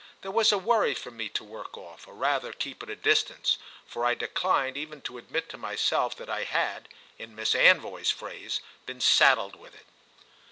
There was a worry for me to work off, or rather keep at a distance, for I declined even to admit to myself that I had, in Miss Anvoy's phrase, been saddled with it.